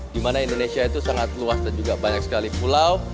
di mana indonesia itu sangat luas dan juga banyak sekali pulau